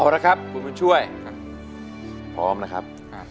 ฮาร่ะครับคุณมันช่วยพร้อมนะครับ